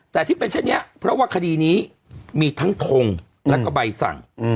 แต่ที่เป็นเช่นนี้เพราะว่าคดีนี้มีทั้งทงแล้วก็ใบสั่ง